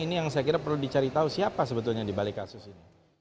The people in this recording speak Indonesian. ini yang saya kira perlu dicari tahu siapa sebetulnya dibalik kasus ini